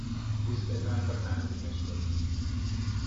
روش بزن تا تنظیمش کنی